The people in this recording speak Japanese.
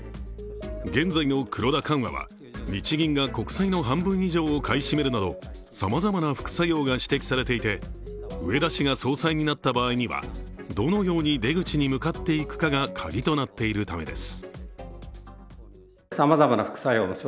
現在の黒田緩和は、日銀が国債の半分以上を買い占めるなどさまざまな副作用が指摘されていて植田氏が総裁になった場合には、どのように出口に向かっていくかが鍵となっているためです。